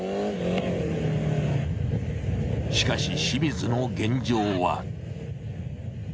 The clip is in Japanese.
しかし清水の現状は。